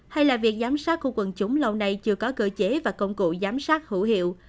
hay là việc giám sát của quần chúng lâu nay chưa có cơ chế và công cụ giám sát hữu hiệu